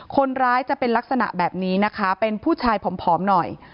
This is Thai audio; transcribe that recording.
คนร้ายจะเป็นลักษณะแบบนี้นะคะเป็นผู้ชายผอมหน่อย